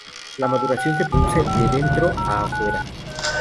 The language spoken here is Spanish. La maduración se produce de dentro a fuera.